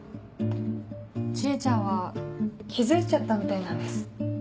知恵ちゃんは気付いちゃったみたいなんです。